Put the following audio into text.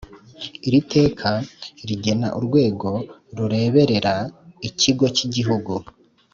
Iri teka rigena Urwego rureberera Ikigo cy Igihugu